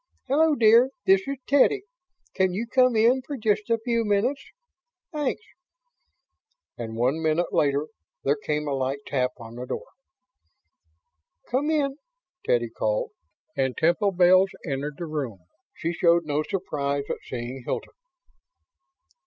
Hello, dear, this is Teddy. Can you come in for just a few minutes? Thanks." And, one minute later, there came a light tap on the door. "Come in," Teddy called, and Temple Bells entered the room. She showed no surprise at seeing Hilton.